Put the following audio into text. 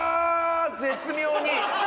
絶妙に。